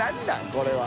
これは。